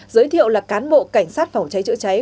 giới thiệu là cán bộ cảnh sát phòng cháy chữa cháy